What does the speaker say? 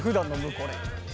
これ。